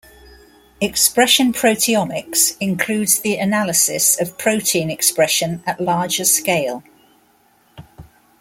Expression proteomics includes the analysis of protein expression at larger scale.